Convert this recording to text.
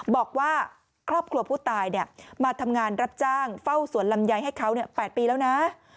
บอกว่าครอบครัวผู้ตายมาทำงานรับจ้างเฝ้าสวนลำไยให้เขา๘ปีแล้วนะ